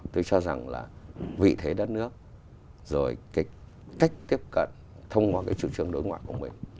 tôi cho rằng là vị thế đất nước rồi cái cách tiếp cận thông qua cái chủ trương đối ngoại của mình